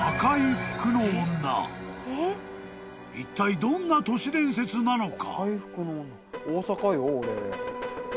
［いったいどんな都市伝説なのか？］